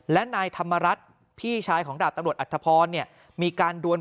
และนายธรรมรัฐพี่ชายของดาบตำรวจอัธพรเนี่ยมีการดวน